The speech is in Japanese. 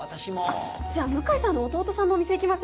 あっじゃあ向井さんの義弟さんのお店行きません？